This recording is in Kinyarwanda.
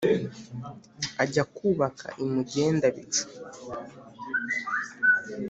ajya kwubaka i mugenda-bicu.